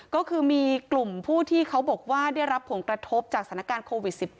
ก็คือมีกลุ่มผู้ที่เขาบอกว่าได้รับผลกระทบจากสถานการณ์โควิด๑๙